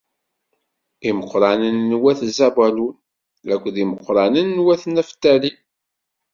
Imeqqranen n wat Zabulun akked yimeqqranen n wat Naftali.